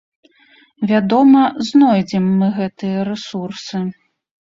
Вядома, знойдзем мы гэтыя рэсурсы.